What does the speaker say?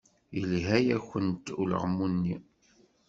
Yelha-yakent ulaɣmu-nni.